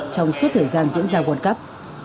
trong suốt thời gian diễn ra world cup